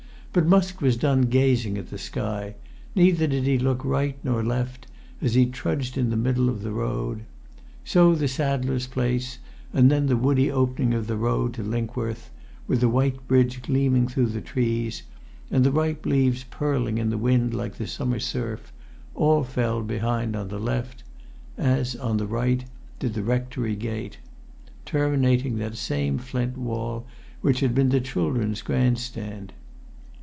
But Musk was done gazing at the sky, neither did he look right or left as he trudged in the middle of the road. So the saddler's place, and then the woody opening of the road to[Pg 12] Linkworth, with the white bridge gleaming through the trees, and the ripe leaves purling in the wind like summer surf, all fell behind on the left; as, on the right, did the rectory gate, terminating that same flint wall which had been the children's grand stand.